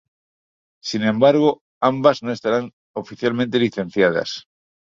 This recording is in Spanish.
Sin embargo, ambas no estarán oficialmente licenciadas.